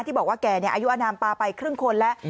บอกว่าแกอายุอนามปลาไปครึ่งคนแล้ว